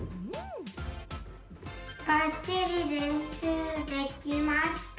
バッチリれんしゅうできました。